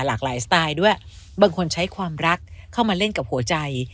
หลากหลายสไตล์ด้วยบางคนใช้ความรักเข้ามาเล่นกับหัวใจ